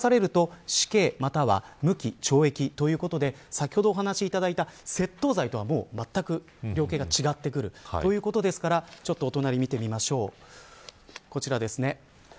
これを科されると死刑または無期懲役ということで先ほどお話いただいた窃盗罪とは全く量刑が違ってくるということですからこちらです。